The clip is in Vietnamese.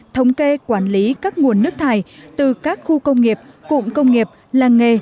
thống kê quản lý các nguồn nước thải từ các khu công nghiệp cụm công nghiệp làng nghề